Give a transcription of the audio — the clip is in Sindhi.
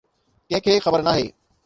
ڪنهن کي خبر ناهي.